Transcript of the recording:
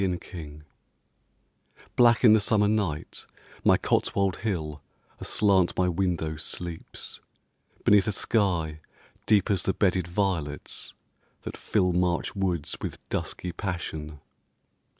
THE MIDLANDS Black in the summer night my Cotswold hill Aslant my window sleeps, beneath a sky Deep as the bedded violets that fill March woods with dusky passion.